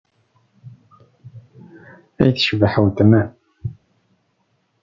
Ay tecbeḥ weltma-m!